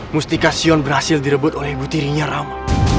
mustikasion berhasil direbut oleh butirinya rama